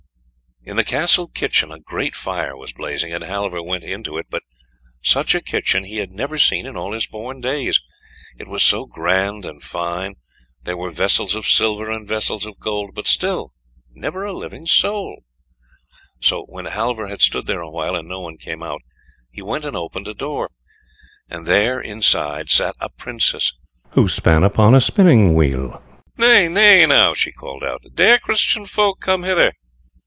In the castle kitchen a great fire was blazing, and Halvor went into it, but such a kitchen he had never seen in all his born days. It was so grand and fine; there were vessels of silver and vessels of gold, but still never a living soul. So when Halvor had stood there a while and no one came out, he went and opened a door, and there inside sat a Princess who span upon a spinning wheel. "Nay, nay, now!" she called out, "dare Christian folk come hither?